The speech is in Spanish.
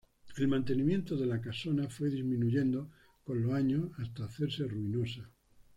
El mantenimiento de la casona fue disminuyendo con los años, hasta hacerse ruinosa.